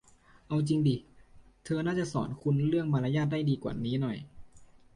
เอาจริงดิ เธอน่าจะสอนคุณเรื่องมารยาทได้ดีกว่านี้หน่อย